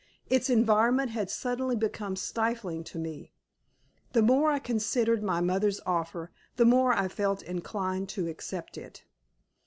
Its environment had suddenly become stifling to me. The more I considered my mother's offer the more I felt inclined to accept it.